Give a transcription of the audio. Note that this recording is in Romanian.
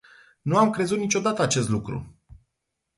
Nu am crezut niciodată acest lucru!